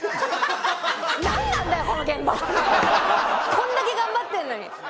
こんだけ頑張ってんのに。